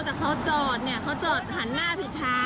แต่เขาจอดเนี่ยเขาจอดหันหน้าผิดทาง